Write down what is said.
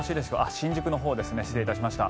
新宿のほうですね失礼しました。